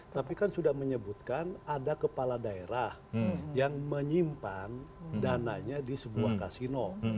tapi kan sudah menyebutkan ada kepala daerah yang menyimpan dananya di sebuah kasino